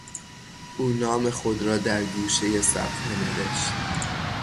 او نام خود را در گوشهی صفحه نوشت.